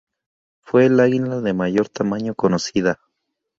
Fue el águila de mayor tamaño conocida.